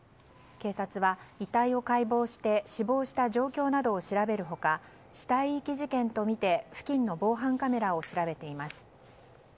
警察は遺体を解剖して死亡した状況などを調べる他死体遺棄事件とみて付近の防犯カメラを調べています。